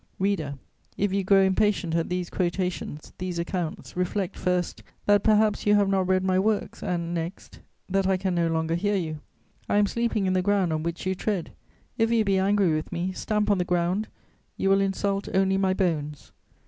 Reader, if you grow impatient at these quotations, these accounts, reflect, first, that perhaps you have not read my works and, next, that I can no longer hear you; I am sleeping in the ground on which you tread; if you be angry with me, stamp on the ground, you will insult only my bones.